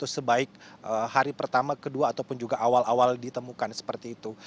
seperti hari pertama ke dua ataupun juga awal awal ditemukan seperti itu